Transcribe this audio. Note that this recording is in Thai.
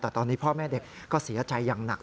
แต่ตอนนี้พ่อแม่เด็กก็เสียใจอย่างหนัก